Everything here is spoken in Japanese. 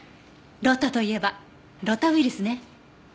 ロタといえばロタウイルスね。